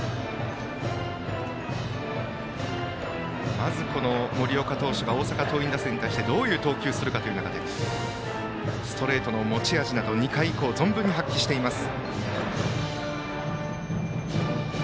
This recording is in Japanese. まず、森岡投手が大阪桐蔭打線に対してどういう投球をするかという中でストレートの持ち味など２回以降存分に発揮しています。